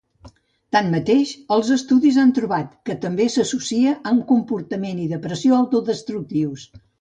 Tanmateix, els estudis han trobat que també s'associa amb comportament i depressió autodestructius.